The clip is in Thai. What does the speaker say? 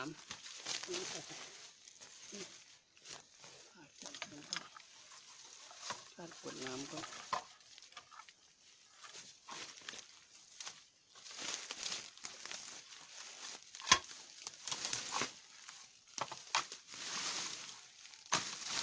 นี่ค่ะค่ะอื้มอ่าจัดการอ่ะจ้าปวดน้ำเขา